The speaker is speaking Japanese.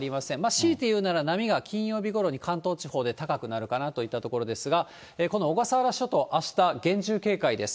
強いて言うなら、波が金曜日ごろに関東地方で高くなるかなといったところですが、この小笠原諸島、あした厳重警戒です。